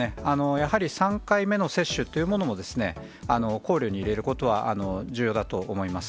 やはり３回目の接種というものも、考慮に入れることは重要だと思います。